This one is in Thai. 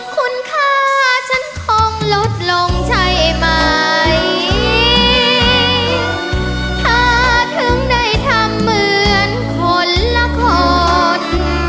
คุณค่าฉันคงลดลงใช่ไหมถ้าถึงได้ทำเหมือนคนละคน